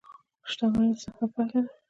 • شتمني د زحمت پایله ده.